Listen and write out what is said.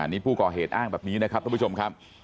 นี่ผู้ก่อเหตุอ้างแบบนี้นะครับทุกผู้ชมครับ